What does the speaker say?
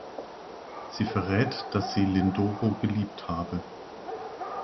Sie verrät, dass sie Lindoro geliebt habe.